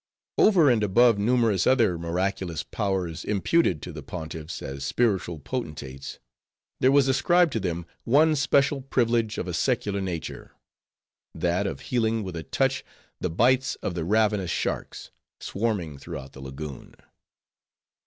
Over and above numerous other miraculous powers imputed to the Pontiffs as spiritual potentates, there was ascribed to them one special privilege of a secular nature: that of healing with a touch the bites of the ravenous sharks, swarming throughout the lagoon.